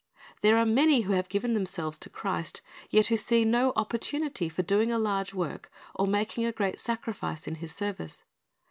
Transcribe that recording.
There are many who have given themselves to Christ, yet who see no opportunity of doing a large work or making great sacrifices in His service.